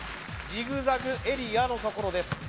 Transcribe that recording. ジグザグエリアのところです